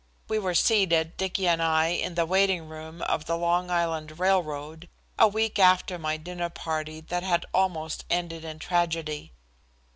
We were seated, Dicky and I, in the waiting room of the Long Island railroad a week after my dinner party that had almost ended in tragedy.